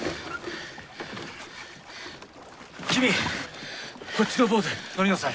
君こっちのボートに乗りなさい。